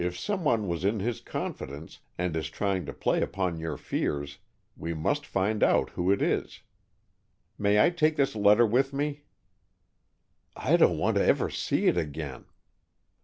If someone was in his confidence and is trying to play upon your fears, we must find out who it is. May I take this letter with me?" "I don't want to ever see it again."